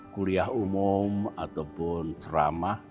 kuliah umum atau ceramah